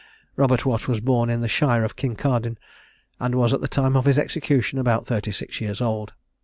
Robert Watt was born in the shire of Kincardine, and was at the time of his execution about thirty six years old.